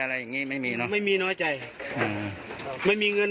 อย่างงี้ไม่มีเนอะไม่มีน้อยใจอืมไม่มีเงิน